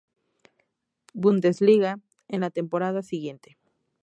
Bundesliga en la temporada siguiente.